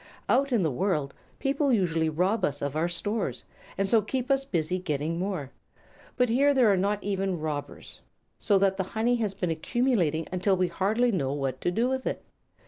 "Out in the world people usually rob us of our stores, and so keep us busy getting more. But here there are not even robbers, so that the honey has been accumulating until we hardly know what to do with it.